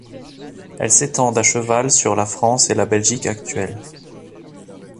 Elles s'étendent à cheval sur la France et la Belgique actuelles.